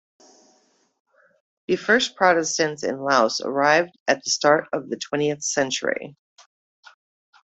The first Protestants in Laos arrived at the start of the twentieth century.